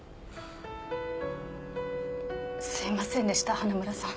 すいませんでした花村さん。